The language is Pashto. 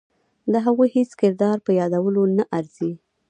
د هغوی هیڅ کردار په یادولو نه ارزي.